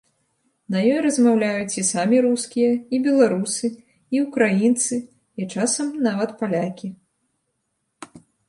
На ёй размаўляюць і самі рускія, і беларусы, і ўкраінцы, і часам нават палякі.